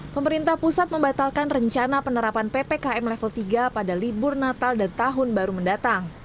pemerintah pusat membatalkan rencana penerapan ppkm level tiga pada libur natal dan tahun baru mendatang